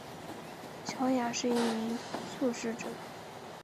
乔雅是一名素食者。